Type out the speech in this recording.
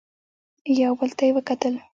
يو بل ته يې وکتل.